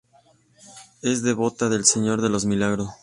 Es devota del Señor de los Milagros.